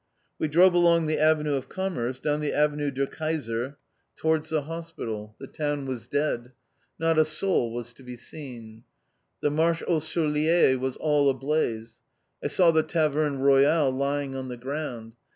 We drove along the Avenue de Commerce, down the Avenue de Kaiser, towards the hospital. The town was dead. Not a soul was to be seen. The Marché aux Souliers was all ablaze; I saw the Taverne Royale lying on the ground.